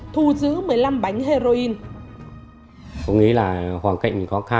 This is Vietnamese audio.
thu giữ một mươi năm bánh heroin